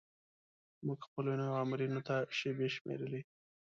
موږ خپلو نویو آمرینو ته شیبې شمیرلې.